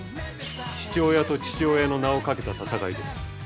父親と父親の名をかけた戦いです。